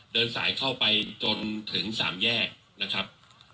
เดินสายเข้าไปจนถึงสามแยกนะครับ